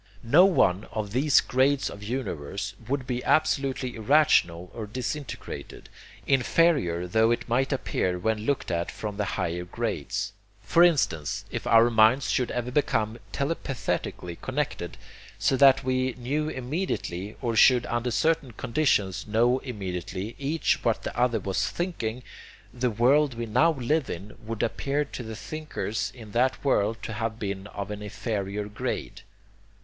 No one of these grades of universe would be absolutely irrational or disintegrated, inferior tho it might appear when looked at from the higher grades. For instance, if our minds should ever become 'telepathically' connected, so that we knew immediately, or could under certain conditions know immediately, each what the other was thinking, the world we now live in would appear to the thinkers in that world to have been of an inferior grade.